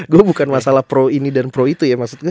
gue bukan masalah pro ini dan pro itu ya maksudnya